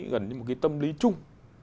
gần như một tâm lý chung